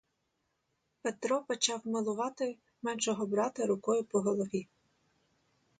Петро почав милувати меншого брата рукою по голові.